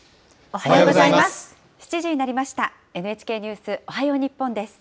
おはようございます。